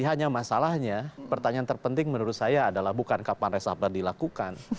hanya masalahnya pertanyaan terpenting menurut saya adalah bukan kapan resapel dilakukan